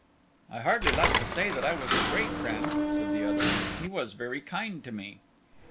"I hardly like to say that I was a great friend," said the other; "he was very kind to me."